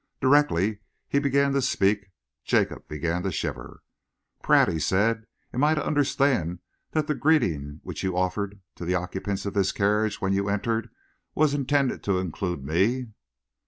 Directly he began to speak, Jacob began to shiver. "Pratt," he said, "am I to understand that the greeting which you offered to the occupants of this carriage, when you entered, was intended to include me?"